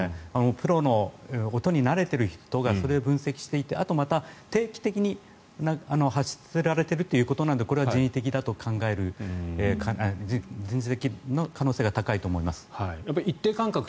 プロの音に慣れている人がそれを分析していてあと、定期的に発せられているということなのでこれは人為的の可能性が高いと思います。